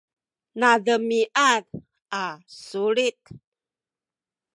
nademiad a sulit